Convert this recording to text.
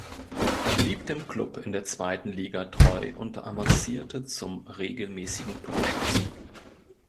Er blieb dem Klub in der zweiten Liga treu und avancierte zum regelmäßigen Torschützen.